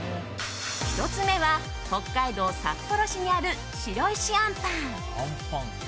１つ目は北海道札幌市にある白石あんぱん。